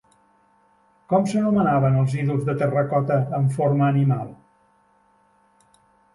Com s'anomenaven els ídols de terracota amb forma animal?